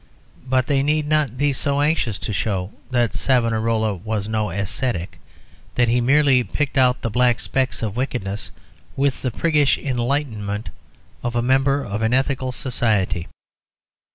But they need not be so anxious to show that Savonarola was no ascetic, that he merely picked out the black specks of wickedness with the priggish enlightenment of a member of an Ethical Society.